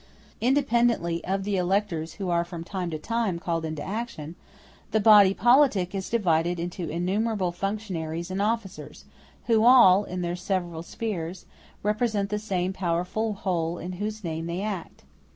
Independently of the electors who are from time to time called into action, the body politic is divided into innumerable functionaries and officers, who all, in their several spheres, represent the same powerful whole in whose name they act.